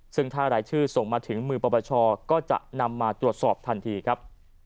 ซึ่งถ้ารายชื่อส่งมาถึงมือปปชก็จะนำมาตรวจสอบทันทีครับ